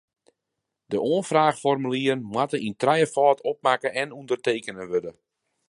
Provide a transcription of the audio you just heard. De oanfraachformulieren moatte yn trijefâld opmakke en ûndertekene wurde.